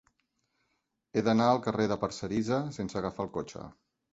He d'anar al carrer de Parcerisa sense agafar el cotxe.